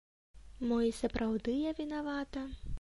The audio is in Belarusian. Мо і сапраўды я вінавата?